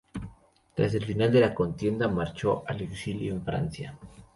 Tras el final de la contienda marchó al exilio en Francia.